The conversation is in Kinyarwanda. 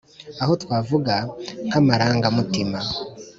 aha twavuga nkamaranga mutima